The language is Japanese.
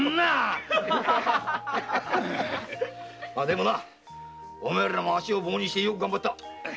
でもなお前らも足を棒にしてよく頑張った。